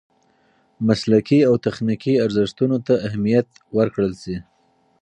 مسلکي او تخنیکي ارزښتونو ته اهمیت ورکړل شي.